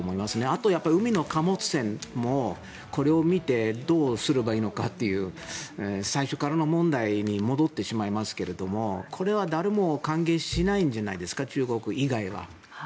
あと、海の貨物船もこれを見てどうすればいいのかという最初からの問題に戻ってしまいますけれどもこれは誰も歓迎しないんじゃないですか中国以外は。